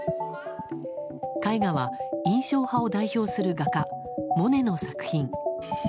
絵画は、印象派を代表する画家モネの作品。